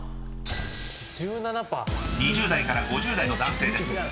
［２０代から５０代の男性です。